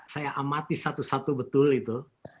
saya amati satu satu betul itu